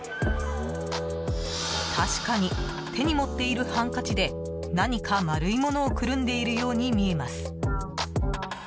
確かに手に持っているハンカチで何か丸いものをくるんでいるように見えます。